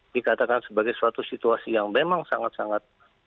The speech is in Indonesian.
dikatakan sebagai suatu situasi yang memang sangat sangat